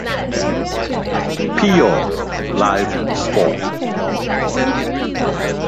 Pure live sport.